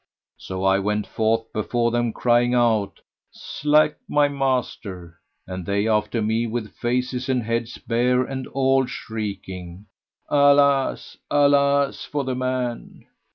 So I went forth before them crying out, "Alack, my master!"; and they after me with faces and heads bare and all shrieking, "Alas! Alas for the man!"